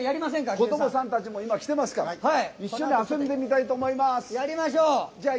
子どもさんたちも来てるので一緒に遊んでみたいと思います。